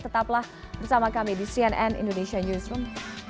tetaplah bersama kami di cnn indonesia newsroom